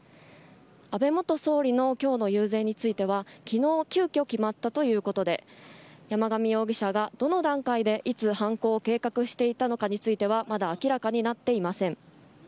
安倍元総理の今日の遊説については昨日急きょ決まったということで山上容疑者がどの段階でいつ犯行を計画していたのかについてはまだ明らかになっていません。